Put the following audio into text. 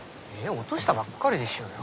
落としたばっかりでしょうよ。